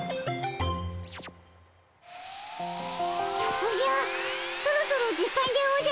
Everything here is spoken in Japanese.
おじゃそろそろ時間でおじゃる。